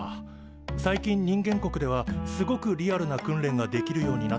最近人間国ではすごくリアルな訓練ができるようになってるんだって。